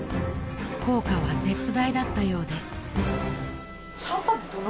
［効果は絶大だったようで］